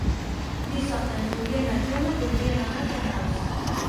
Dissabte en Julià i na Joana voldrien anar a Canals.